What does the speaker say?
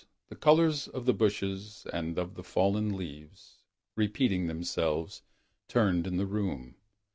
The colors of the bushes And of the fallen leaves. Repeating themselves. Turned in the room.